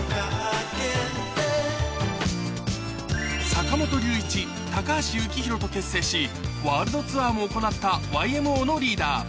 坂本龍一高橋幸宏と結成しワールドツアーも行ったＹＭＯのリーダー